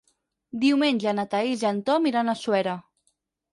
Diumenge na Thaís i en Tom iran a Suera.